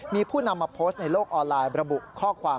มีผู้นำมาโพสต์ในโลกออนไลน์ระบุข้อความ